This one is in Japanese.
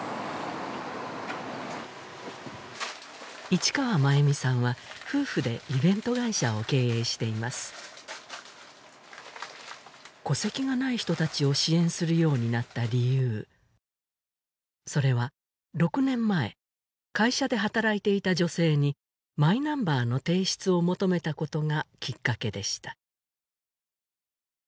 市川真由美さんは夫婦でイベント会社を経営しています戸籍がない人たちを支援するようになった理由それは６年前会社で働いていた女性にマイナンバーの提出を求めたことがきっかけでした